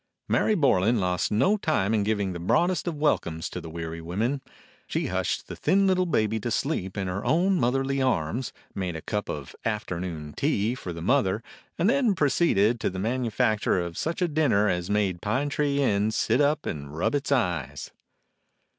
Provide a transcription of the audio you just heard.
Mary Borlan lost no time in giving the broad est of welcomes to the weary woman. She hushed the thin little baby to sleep in her own motherly arms, made a cup of "afternoon tea" for the mother, and then proceeded to the manufacture of such a dinner as made Pine Tree Inn sit up and rub its eyes.